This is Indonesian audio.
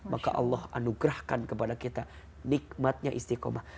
maka allah anugerahkan kepada kita nikmatnya istiqomah